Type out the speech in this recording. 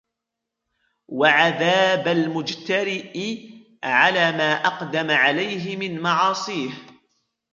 وَعَذَابَ الْمُجْتَرِئِ عَلَى مَا أَقْدَمَ عَلَيْهِ مِنْ مَعَاصِيهِ